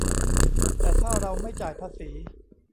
แต่ถ้าเราไม่จ่ายภาษี